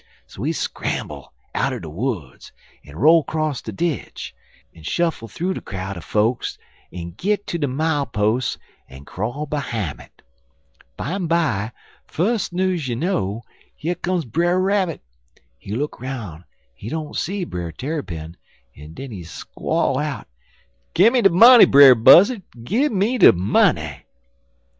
So he scramble outen de woods, en roll 'cross de ditch, en shuffle thoo de crowd er folks en git ter de mile pos' en crawl behime it. Bimeby, fus' news you know, yer come Brer Rabbit. He look 'roun' en he don't see Brer Tarrypin, en den he squall out: "'Gimme de money, Brer Buzzard, Gimme de money!'